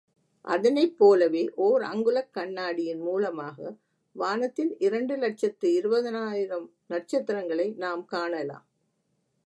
அதனைப்போலவே, ஓர் அங்குலக் கண்ணாடியின் மூலமாக வானத்தின் இரண்டு லட்சத்து இருபதனாயிரம் நட்சத்திரங்களை நாம் காணலாம்.